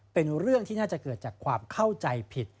เป็นเรื่องที่น่าจะเกิดจากความเข้าใจผิด